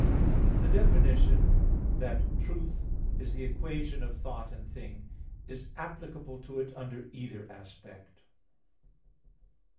The definition that "Truth is the equation of thought and thing" is applicable to it under either aspect.